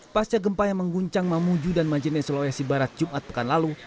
pasca gempa yang mengguncang mamuju dan majene sulawesi barat jumat pekan lalu